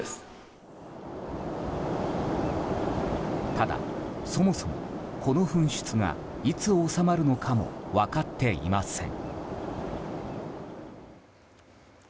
ただ、そもそもこの噴出がいつ収まるのかも分かっていません。